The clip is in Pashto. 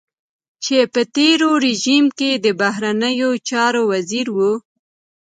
چې په تېر رژيم کې د بهرنيو چارو وزير و.